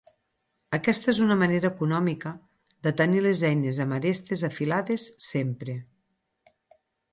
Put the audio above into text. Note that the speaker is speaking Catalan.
Aquesta és una manera econòmica de tenir les eines amb arestes afilades sempre.